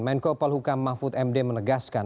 menko polhukam mahfud md menegaskan